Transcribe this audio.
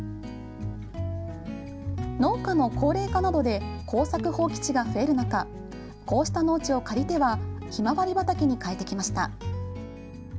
農家の高齢化などで耕作放棄地が増える中こうした農地を借りてはひまわり畑に替えてきました。